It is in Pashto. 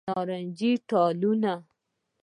نارنجې ټالونه